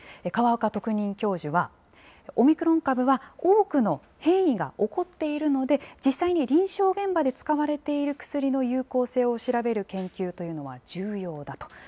河岡特任教授は、オミクロン株は多くの変異が起こっているので、実際に臨床現場で使われている薬の有効性を調べる研究というのは重要だと。